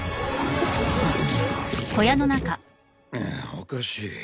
おかしい。